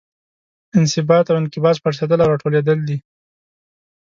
انبساط او انقباض پړسیدل او راټولیدل دي.